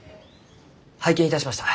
拝見いたしました。